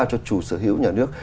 cho chủ sở hữu nhà nước